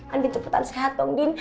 andin cepetan sehat dong din